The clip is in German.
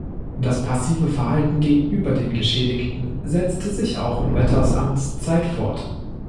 Das passive Verhalten gegenüber den Geschädigten setzt sich auch in Wetters Amtszeit fort.